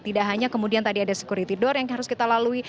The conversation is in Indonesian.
tidak hanya kemudian tadi ada security door yang harus kita lalui